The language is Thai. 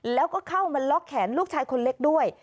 แล้วก็เข้ามาล็อกแขนลูกชายคนเล็กด้วย